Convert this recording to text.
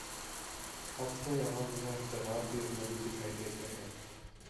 اب تویہاں میاں افتخار بھی اجنبی دکھائی دیتے ہیں۔